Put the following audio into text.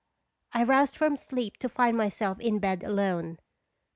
I roused from sleep to find myself in bed alone.